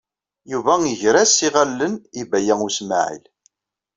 Yuba iger-as iɣallen i Baya U Smaɛil.